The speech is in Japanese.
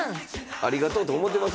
ありがとうと思ってます？